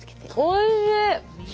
おいしい！